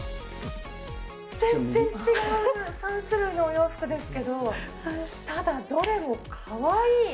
全然違う、３種類のお洋服ですけど、ただどれもかわいい。